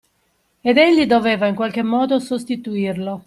Ed egli doveva in qualche modo sostituirlo.